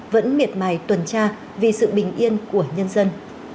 vẫn miệt mài tuần tra vì sự bình yên của nhân dân